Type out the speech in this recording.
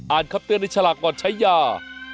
อ่านคับเตือนในฉลากก่อนใช้ยา